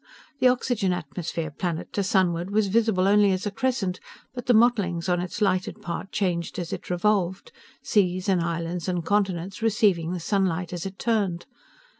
The oxygen atmosphere planet to sunward was visible only as a crescent, but the mottlings on its lighted part changed as it revolved seas and islands and continents receiving the sunlight as it turned.